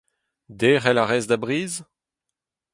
Derc’hel a rez da briz ?